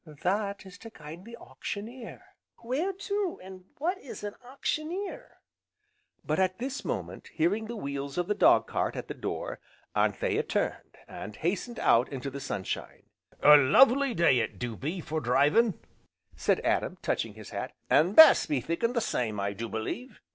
"That is to guide the auctioneer." "Where to, an' what is an auctioneer?" But, at this moment, hearing the wheels of the dog cart at the door, Anthea turned, and hastened out into the sunshine. "A lovely day it do be for drivin'," said Adam touching his hat, "an' Bess be thinkin' the same, I do believe!"